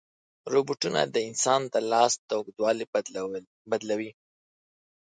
روبوټونه د انسان د لاس اوږدوالی بدلوي.